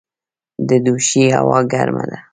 د دوشي هوا ګرمه ده